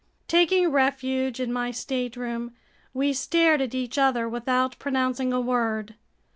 Taking refuge in my stateroom, we stared at each other without pronouncing a word.